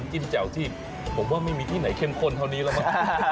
จิ้มแจ่วที่ผมว่าไม่มีที่ไหนเข้มข้นเท่านี้แล้วมั้ง